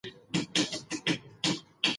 کابل ښه روښانه دی.